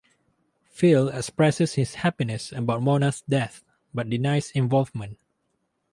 Phil expresses his happiness about Mona's death but denies involvement.